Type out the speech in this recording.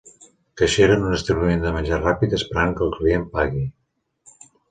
Caixera en un establiment de menjar ràpid esperant que el client pagui.